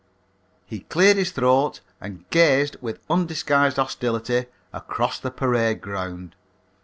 He cleared his throat and gazed with undisguised hostility across the parade ground.